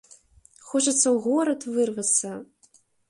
Хочацца ў горад вырвацца.